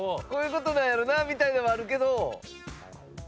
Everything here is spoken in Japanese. こういう事なんやろなみたいなのはあるけど。